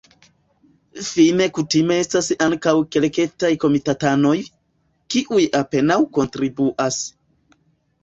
Fine kutime estas ankaŭ kelketaj komitatanoj, kiuj apenaŭ kontribuas.